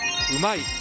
うまい！